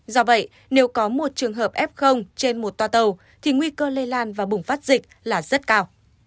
do vậy nếu có một trường hợp f trên một toa tàu thì nguy cơ lây lan và bùng phát dịch là rất cao